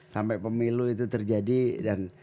sampai pemilu itu terjadi dan